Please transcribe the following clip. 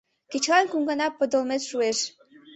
Кечылан кум гана подылмет шуэш.